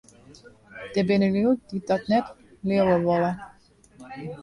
Der binne lju dy't dat net leauwe wolle.